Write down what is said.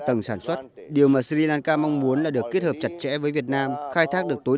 tầng sản xuất điều mà sri lanka mong muốn là được kết hợp chặt chẽ với việt nam khai thác được tối